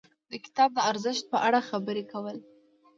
د کتاب د ارزښت په اړه خبرې کول.